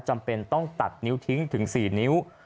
จำเป็นต้องตัดนิ้วทิ้งถึง๔นิ้ว